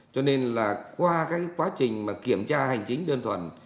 cho nên là qua cái quá trình mà kiểm tra hành chính đơn thuần